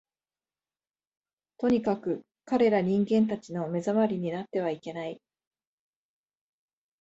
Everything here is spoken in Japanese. とにかく、彼等人間たちの目障りになってはいけない